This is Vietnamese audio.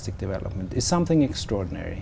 đối với chiến đấu với người mỹ